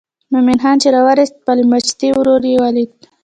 مومن خان چې راورسېد خپل ماجتي ورور یې ولید.